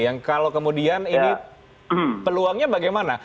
yang kalau kemudian ini peluangnya bagaimana